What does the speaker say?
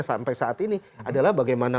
sampai saat ini adalah bagaimana